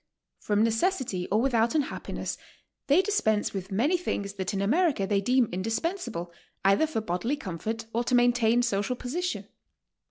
From necessity or without unhappiness they dispense with many things that in America they deem indispensable either for bodily comfort or to maintain social position.